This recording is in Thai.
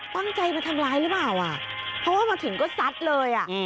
ตั้งใจมาทำร้ายหรือเปล่าเพราะว่ามันถึงสัตว์เลย